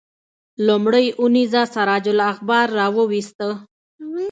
لومړۍ اونیزه سراج الاخبار راوویسته.